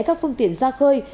các phương tiện ra khơi